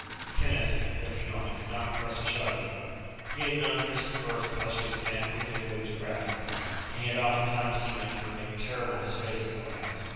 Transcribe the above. Kenneth, looking on, could not repress a shudder. He had known Crispin for a tempestuous man quickly moved to wrath, and he had oftentimes seen anger make terrible his face and glance.